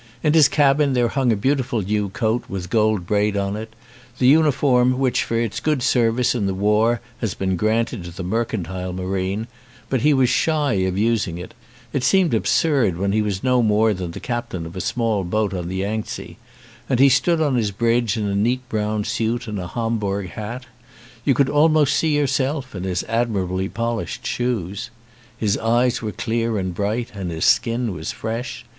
In his cabin there hung a beautiful new coat with gold braid on it, the uniform which for its good service in the war has been granted to the mercantile marine, but he was shy of using it; it seemed absurd when he was no more than captain of a small boat on the Yangtze; and he stood on his bridge in a neat brown suit and a homburg hat; you could almost see yourself in his admirably polished shoes. His eyes were clear and bright and his skin was fresh.